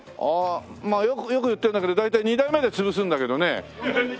まあよく言ってるんだけど大体２代目で潰すんだけどね。